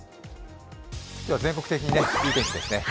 全国的にいい天気ですね。